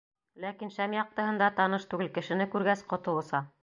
Ләкин шәм яҡтыһында таныш түгел кешене күргәс, ҡото оса.